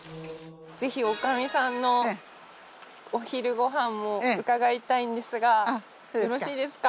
ぜひ女将さんのお昼ご飯も伺いたいんですがよろしいですか？